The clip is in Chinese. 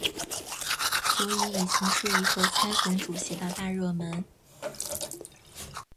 所以已经是一个参选主席的大热门。